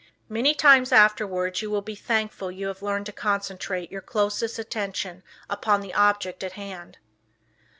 Many times afterwards you will be thankful you have learned to concentrate your closest attention upon the object at hand.